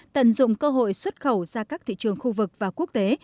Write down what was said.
tận dụng cơ hội xuất khẩu ra các thị trường khu vực và quốc tế